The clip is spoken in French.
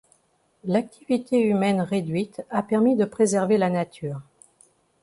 L'activité humaine réduite a permis de préserver la nature.